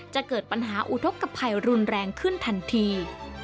จะเกิดปัญหาอุทธกภัยรุนแรงขึ้นทันที